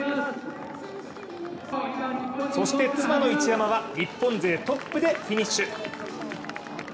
そして、妻の一山は日本勢トップでフィニッシュ。